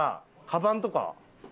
かばんとかは？